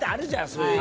そういう。